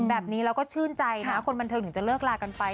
แบบนี้เราก็ชื่นใจนะคนบันเทิงถึงจะเลิกลากันไป